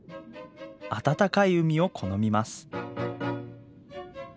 暖かい海を好みます。